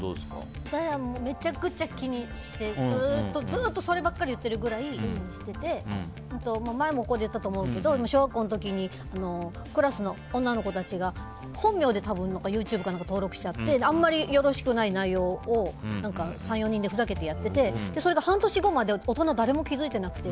めちゃくちゃ気にしてずーっとそればっかり言ってるくらいしてて前もここで言ったと思うけど小学校の時にクラスの女の子たちが本名でＹｏｕＴｕｂｅか何か登録しちゃってあんまりよろしくない内容を３４人でふざけてやっててそれが半年後まで大人、誰も気づいてなくて。